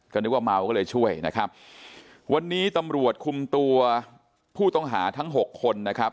ก็นึกว่าเมาก็เลยช่วยนะครับวันนี้ตำรวจคุมตัวผู้ต้องหาทั้งหกคนนะครับ